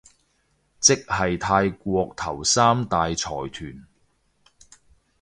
即係泰國頭三大財團